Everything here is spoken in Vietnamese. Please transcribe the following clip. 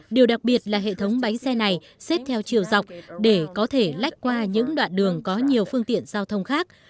điều đặc biệt là hệ thống bánh xe này xếp theo chiều dọc để có thể lách qua những đoạn đường có nhiều phương tiện giao thông khác